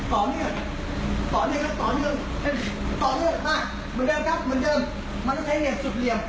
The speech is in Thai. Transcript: เหมือนเดิมครับเหมือนเดิมมันจะใช้เหนียมสุดเหลี่ยม